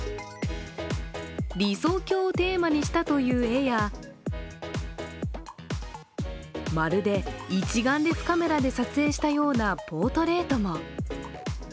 理想郷をテーマにしたという絵やまるで一眼レフカメラで撮影したようなポートレートも。